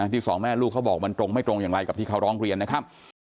สองแม่ลูกเขาบอกมันตรงไม่ตรงอย่างไรกับที่เขาร้องเรียนนะครับ